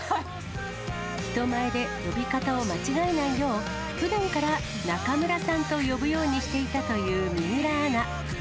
人前で呼び方を間違えないよう、ふだんから中村さんと呼ぶようにしていたという水卜アナ。